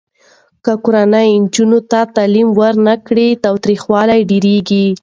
که کورنۍ نجونو ته تعلیم ورنه کړي، تاوتریخوالی ډېریږي.